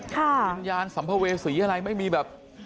วิญญาณสัมภเวษีอะไรไม่มีแบบ